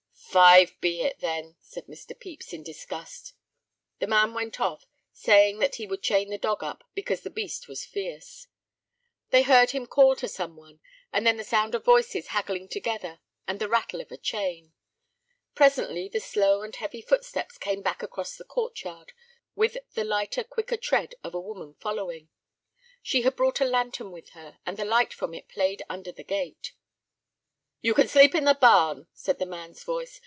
"Five be it, then," said Mr. Pepys, in disgust. The man went off, saying that he would chain the dog up, because the beast was fierce. They heard him call to some one, and then the sound of voices haggling together and the rattle of a chain. Presently the slow and heavy footsteps came back across the court yard, with the lighter, quicker tread of a woman following. She had brought a lantern with her, and the light from it played under the gate. "You can sleep in the barn," said the man's voice.